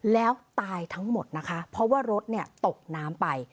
แล้วตายทั้งหมดนะคะเพราะว่ารถตกน้ำไป